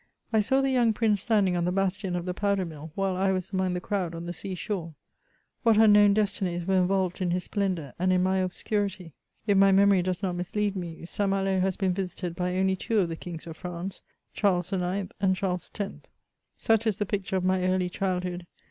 I saw the young Prince stand ing on the bastion of the powder mill, while I was among the crowd on the sea shore. What unknown destinies were in volved in his splendour, and in my obscurity ! If my memory does not mislead me, St. Malo ha^ been visited by only two of the kings of France, Charles IX. and Charles X. Such is the picture of my early childhood.